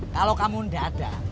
kalau kamu ndak ada